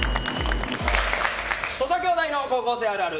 土佐兄弟の高校生あるある。